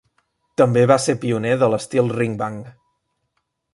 També va ser pioner de l'estil ringbang.